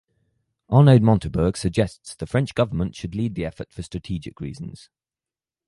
Arnaud Montebourg suggests the French government should lead the effort for strategic reasons.